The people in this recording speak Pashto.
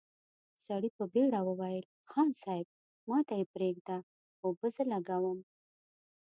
سړي په بېړه وويل: خان صيب، ماته يې پرېږده، اوبه زه لګوم!